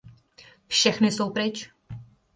Všechny jsou pryč.